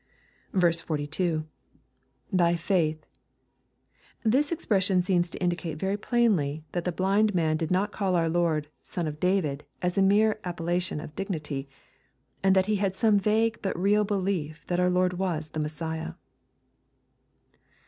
42.— [5%y faith.] This expression seems to indicate very plainly, that the blind man did not call our Lord, " Son of David," as a mere appellation of dignity, and that he had some vague but real belief tiiat our Lord was the Messiah.